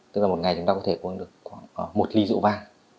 tức là một ngày chúng ta có thể uống được khoảng một ly rượu vang